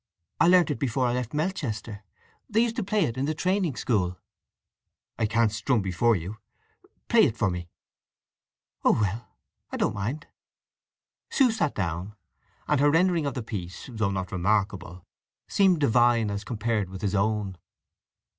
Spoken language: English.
I learnt it before I left Melchester. They used to play it in the training school." "I can't strum before you! Play it for me." "Oh well—I don't mind." Sue sat down, and her rendering of the piece, though not remarkable, seemed divine as compared with his own.